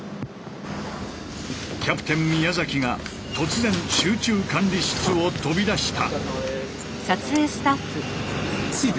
キャプテン宮が突然集中管理室を飛び出した。